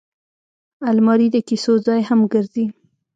الماري د کیسو ځای هم ګرځي